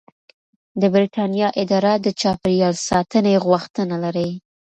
د بریتانیا اداره د چاپیریال ساتنې غوښتنه لري.